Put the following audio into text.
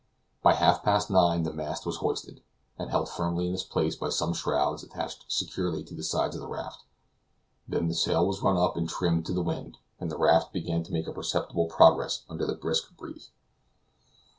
By half past nine the mast was hoisted, and held firmly in its place by some shrouds attached securely to the sides of the raft; then the sail was run up and trimmed to the wind, and the raft began to make a perceptible progress under the brisk breeze.